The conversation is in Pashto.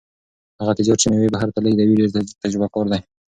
هغه تجار چې مېوې بهر ته لېږي ډېر تجربه کار دی.